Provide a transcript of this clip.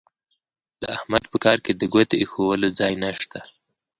د احمد په کار کې د ګوتې اېښولو ځای نه شته.